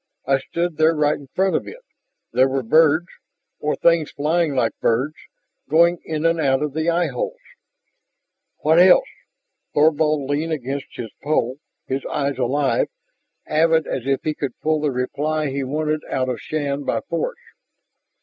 I stood there right in front of it. There were birds or things flying like birds going in and out of the eyeholes " "What else?" Thorvald leaned across his pole, his eyes alive, avid, as if he would pull the reply he wanted out of Shann by force.